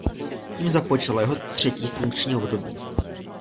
Tím započalo jeho třetí funkční období.